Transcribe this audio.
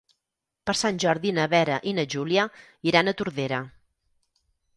Per Sant Jordi na Vera i na Júlia iran a Tordera.